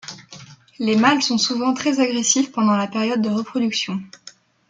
Les mâles sont souvent très agressifs pendant la période de reproduction.